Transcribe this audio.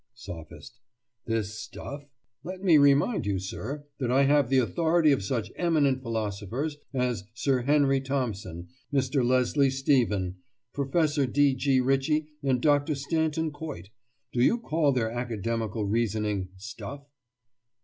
SOPHIST: This "stuff"? Let me remind you, sir, that I have the authority of such eminent philosophers as Sir Henry Thompson, Mr. Leslie Stephen, Professor D. G. Ritchie, and Dr. Stanton Coit. Do you call their academical reasoning "stuff"?